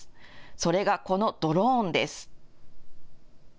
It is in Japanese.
それがこのドローンです。